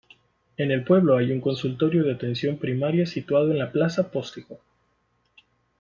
En el pueblo hay un consultorio de atención primaria situado en la plaza Postigo.